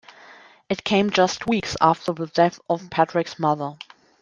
It came just weeks after the death of Patrick's mother.